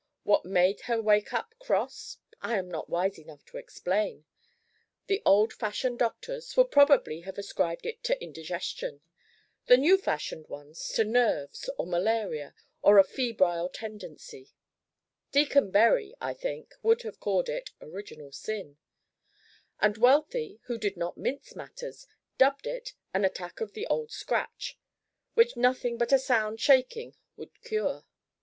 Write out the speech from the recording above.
What made her wake up cross I am not wise enough to explain. The old fashioned doctors would probably have ascribed it to indigestion, the new fashioned ones to nerves or malaria or a "febrile tendency"; Deacon Bury, I think, would have called it "Original Sin," and Wealthy, who did not mince matters, dubbed it an attack of the Old Scratch, which nothing but a sound shaking could cure.